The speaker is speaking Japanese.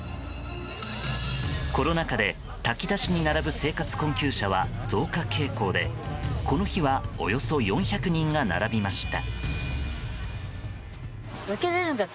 コロナ禍で炊き出しに並ぶ生活困窮者は増加傾向でこの日はおよそ４００人が並びました。